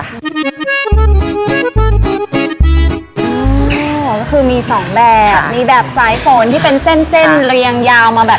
ก็คือมีสองแบบมีแบบสายฝนที่เป็นเส้นเส้นเรียงยาวมาแบบ